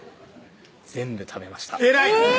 全部食べました偉い！